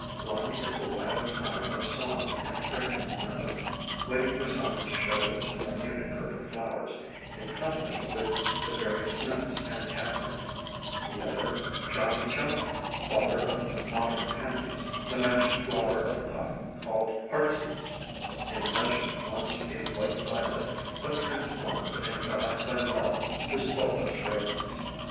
One is the Wild Thyme of song and fragrant memory, waiting for summer to show its minute purple flowers in company with the various Mints and Catnip; the other Johnny jump up, father of modern Pansies, the magic flower of Puck called Heartsease, in legend once a White Violet, but transformed and dyed by Love, who stole its fragrance.